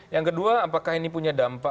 yang kedua apakah ini punya dampak